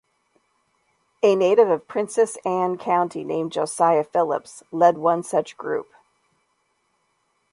A native of Princess Anne County named Josiah Philips, led one such group.